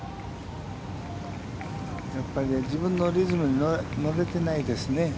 やっぱり自分のリズムに乗れてないですね。